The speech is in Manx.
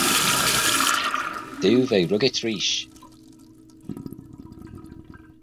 Shegin diu ve ruggit reesht.